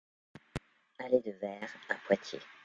Allée de Vayres à Poitiers